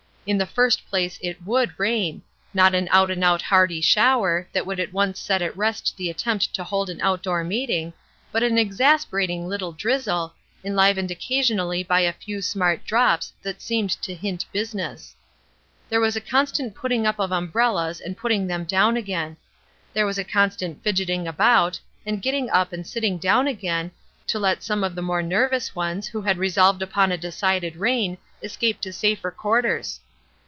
In the first place it would rain; not an out and out hearty shower, that would at once set at rest the attempt to hold an out door meeting, but an exasperating little drizzle, enlivened occasionally by a few smart drops that seemed to hint business. There was a constant putting up of umbrellas and putting them down again. There was a constant fidgeting about, and getting up and sitting down again, to let some of the more nervous ones who had resolved upon a decided rain escape to safer quarters.